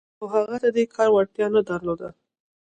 خو هغه د دې کار وړتيا نه درلوده.